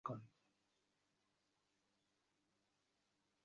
তিনি পুনরায় মানুষে রুপ লাভ করেন।